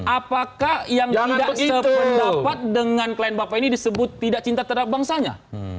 apakah yang tidak sependapat dengan klien bapak ini disebut tidak cinta terhadap bangsanya